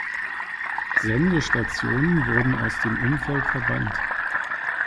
Sendestationen wurden aus dem Umfeld verbannt.